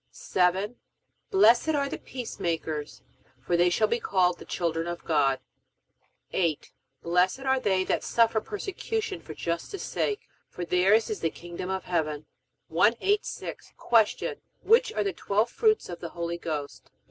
7. Blessed are the peacemakers, for they shall be called the children of God. 8. Blessed are they that suffer persecution for justice sake, for theirs is the kingdom of heaven. 186. Q. Which are the twelve fruits of the Holy Ghost?